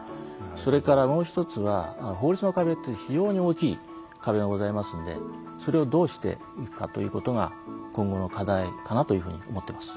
それからもう一つは法律の壁っていう非常に大きい壁がございますのでそれをどうしていくかということが今後の課題かなというふうに思ってます。